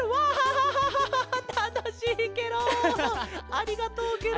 ありがとうケロ。